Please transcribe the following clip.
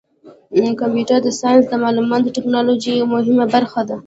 کمپیوټر ساینس د معلوماتي تکنالوژۍ یوه مهمه برخه ده.